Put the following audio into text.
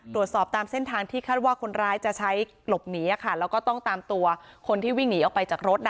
ตามเส้นทางที่คาดว่าคนร้ายจะใช้หลบหนีแล้วก็ต้องตามตัวคนที่วิ่งหนีออกไปจากรถ